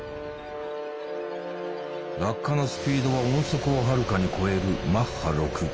落下のスピードは音速をはるかに超えるマッハ６。